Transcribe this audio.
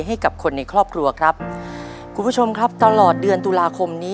ในแคมเปญพิเศษเกมต่อชีวิตโรงเรียนของหนู